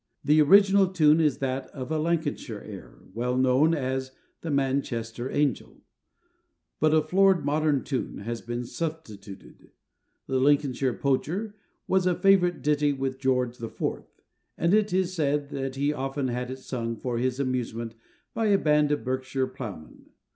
The original tune is that of a Lancashire air, well known as The Manchester Angel; but a florid modern tune has been substituted. The Lincolnshire Poacher was a favourite ditty with George IV., and it is said that he often had it sung for his amusement by a band of Berkshire ploughmen.